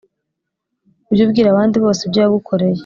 ujy'ubwir' abandi bose ibyo yagukoreye;